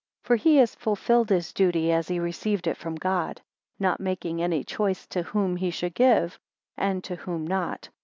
9 For he has fulfilled his duty as he received it from God; not making any choice to whom he should give, and to whom not.